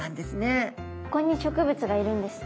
ここに植物がいるんですね。